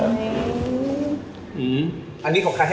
อันนี้ของใคร